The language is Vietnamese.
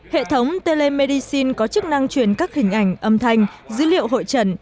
hệ thống telemedicine có chức năng truyền các hình ảnh âm thanh dữ liệu hội trần